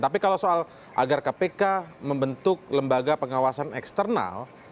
tapi kalau soal agar kpk membentuk lembaga pengawasan eksternal